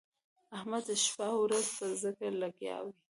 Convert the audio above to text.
احمد شپه او ورځ په ذکر لګیا وي.